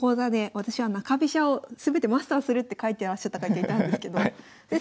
私は中飛車を全てマスターするって書いてらっしゃった方がいたんですけど先生